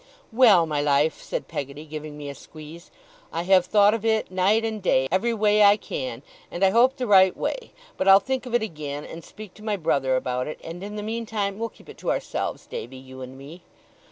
'Well, my life,' said Peggotty, giving me a squeeze, 'I have thought of it night and day, every way I can, and I hope the right way; but I'll think of it again, and speak to my brother about it, and in the meantime we'll keep it to ourselves, Davy, you and me.